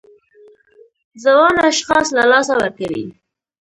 ځوان اشخاص له لاسه ورکوي.